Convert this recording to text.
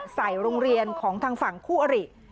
ใส่โรงเรียนของทางฝั่งคู่อริ